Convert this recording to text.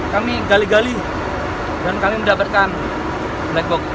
kami gali gali dan kami mendapatkan black box